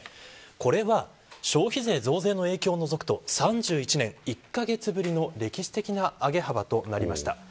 これは消費税増税の影響を除くと３１年１カ月ぶりの歴史的な上げ幅となりました。